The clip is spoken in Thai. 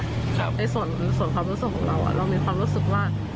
ในส่วนความรู้สึกของเราเรามีความรู้สึกว่า